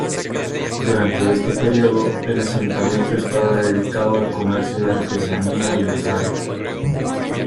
Durante este periodo el asentamiento estaba dedicado al comercio de artesanía y metales.